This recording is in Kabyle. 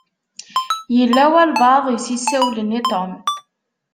Yella walebɛaḍ i s-isawlen i Tom.